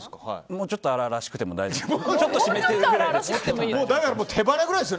もうちょっと荒々しくても大丈夫です。